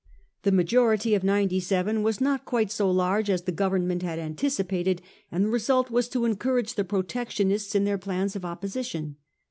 The majority of 97 was not quite so large as the Government bad anticipated ; and the result was to encourage the Protectionists in their plans of opposition.